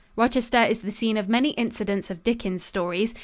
Rochester is the scene of many incidents of Dickens' stories.